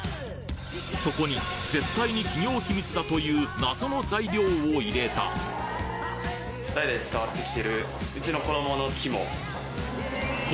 そこに絶対に企業秘密だという謎の材料を入れた代々伝わってきてるうちの衣の肝。